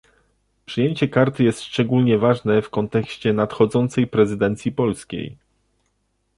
Przyjęcie karty jest szczególnie ważne w kontekście nadchodzącej prezydencji polskiej